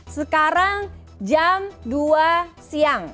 sekarang jam dua siang